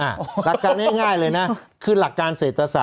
หลักการง่ายเลยนะ